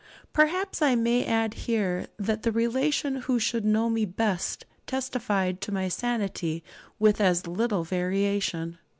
(Perhaps I may add here that the relation who should know me best testified to my sanity with as little variation.)